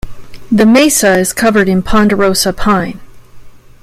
The mesa is covered in Ponderosa pine.